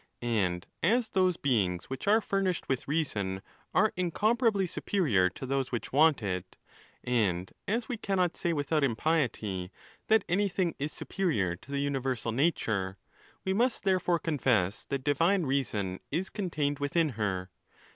And as those beings which are furnished with reason are incomparably superior to those which want it, and as we cannot say, without impiety, that anything is superior to the universal Nature, we must therefore confess that divine reason is contained within her.